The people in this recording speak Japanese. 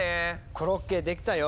コロッケできたよ！